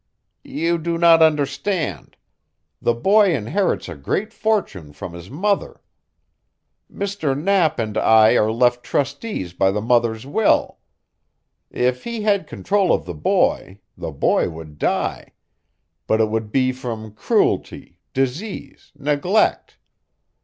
"You do not understand. The boy inherits a great fortune from his mother. Mr. Knapp and I are left trustees by the mother's will. If he had control of the boy, the boy would die; but it would be from cruelty, disease, neglect.